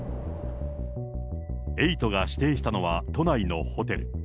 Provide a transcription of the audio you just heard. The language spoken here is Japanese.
エイトが指定したのは都内のホテル。